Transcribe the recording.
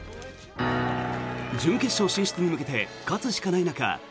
準決勝進出に向けて勝つしかない中